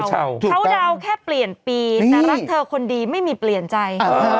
เขาเดาแค่เปลี่ยนปีแต่รักเธอคนดีไม่มีเปลี่ยนใจ